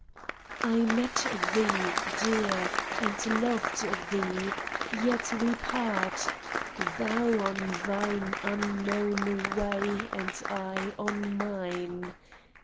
MET thee, dear, and loved thee — yet we part. Thou on thine unknown way and I on mine.